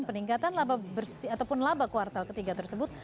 peningkatan labah kuartal ke tiga tersebut